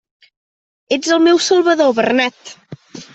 Ets el meu salvador, Bernat!